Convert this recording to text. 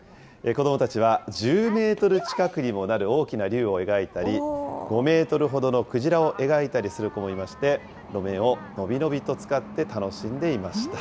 子どもたちは１０メートル近くにもなる大きな竜を描いたり、５メートルほどのクジラを描いたりする子もいまして、路面を伸び伸びと使って楽しんでいました。